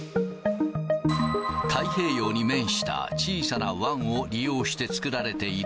太平洋に面した小さな湾を利用して作られている